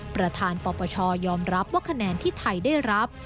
ประธานปปชยอมรับว่าคะแนนที่ไทยได้รับ